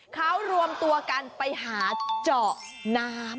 เขารวมตัวกันไปหาเจาะน้ำ